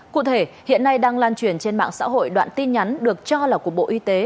cụ thể hiện nay đang lan truyền trên mạng xã hội đoạn tin nhắn được cho là của bộ y tế